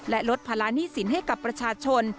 และลดพลานี่สินให้กับประชาชน